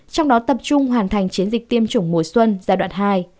trong đó tập trung hoàn thành chiến dịch tiêm chủng mùa xuân giai đoạn hai